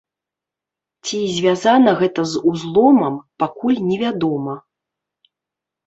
Ці звязана гэта з узломам, пакуль невядома.